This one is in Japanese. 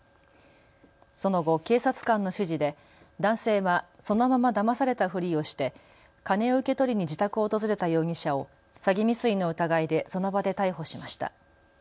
その後、警察官の指示で男性はそのままだまされたふりをして金を受け取りに自宅を訪れた容疑者を詐欺未遂の疑いでその場で逮捕しました。